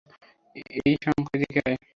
এই শংকর, এদিক আয়!